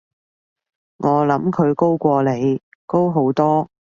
我諗佢高過你，高好多